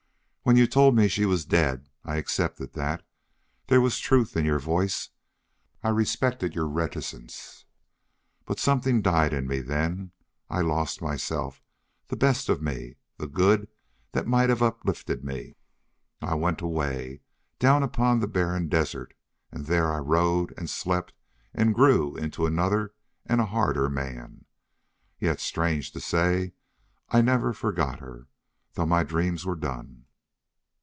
When you told me she was dead I accepted that. There was truth in your voice. I respected your reticence. But something died in me then. I lost myself, the best of me, the good that might have uplifted me. I went away, down upon the barren desert, and there I rode and slept and grew into another and a harder man. Yet, strange to say, I never forgot her, though my dreams were done.